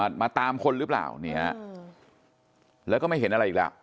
มาตามคนหรือเปล่าเนี่ยแล้วก็ไม่เห็นอะไรอีกแล้ว